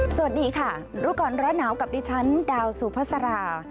สวัสดีค่ะรู้ก่อนร้อนหนาวกับดิฉันดาวสุภาษารา